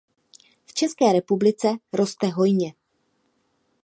V České republice roste hojně.